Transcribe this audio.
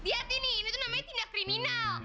liat ini ini tuh namanya tindak kriminal